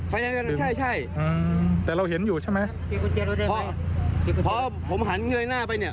ใช่ใช่อืมแต่เราเห็นอยู่ใช่ไหมพอผมหันเงยหน้าไปเนี่ย